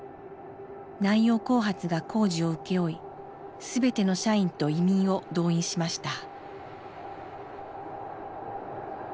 南洋興発が工事を請け負い全ての社員と移民を動員しました。